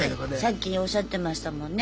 さっきおっしゃってましたもんね。